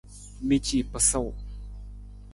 Mi ci pasuu.